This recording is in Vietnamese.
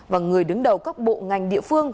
và người đứng đầu các bộ ngành địa phương